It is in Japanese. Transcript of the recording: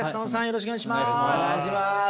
よろしくお願いします。